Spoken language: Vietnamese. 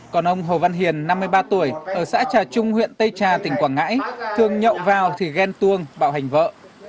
còn ông hồ văn hiền năm mươi ba tuổi ở xã trà trung huyện tây trà tỉnh quảng ngãi thường nhậu vào thì ghen tuông bạo hành vợ